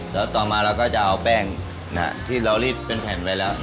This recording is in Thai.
แล้วต่อมาเราก็จะเอาแป้งที่เรารีดเป็นแผ่นไว้แล้ว